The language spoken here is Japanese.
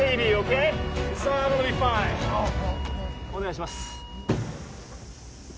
お願いします